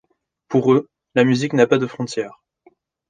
Pour eux, la musique n'a pas de frontières.